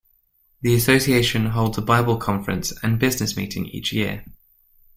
The association holds a Bible Conference and business meeting each year.